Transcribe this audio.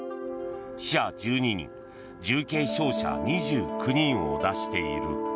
死者１２人、重軽傷者２９人を出している。